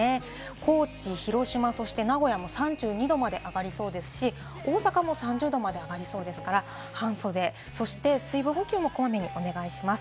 高知、広島、そして名古屋も３２度まで上がりそうですし、大阪も３０度まで上がりそうですから、半袖、そして水分補給もこまめにお願いします。